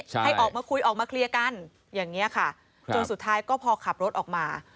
ใช่ให้ออกมาคุยออกมาเคลียร์กันอย่างนี้ค่ะจนสุดท้ายก็พอขับรถออกมา